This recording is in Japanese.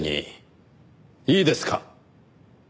いいですか？